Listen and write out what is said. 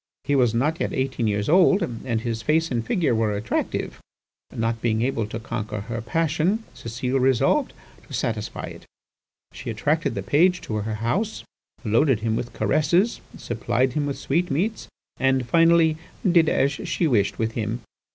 He was not yet eighteen years old, and his face and figure were attractive. Not being able to conquer her passion, Cécile resolved to satisfy it. She attracted the page to her house, loaded him with caresses, supplied him with sweetmeats and finally did as she wished with him.